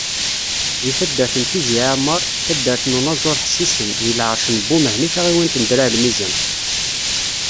Deg taddart n Tizi Ɛammer, taddart n unaẓur Ḥsisen, deg lɛerc n Bumahni taɣiwant n Draɛ Lmizan.